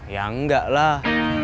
ya nggak lah